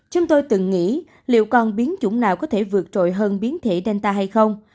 chúng tôi từng nghĩ liệu còn biến chủng nào có thể vượt trội hơn biến thể danta hay không